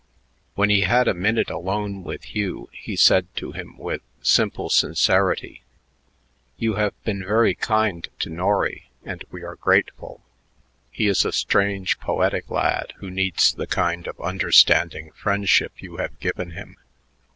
When he had a minute alone with Hugh, he said to him with simple sincerity: "You have been very kind to Norry, and we are grateful. He is a strange, poetic lad who needs the kind of understanding friendship you have given him.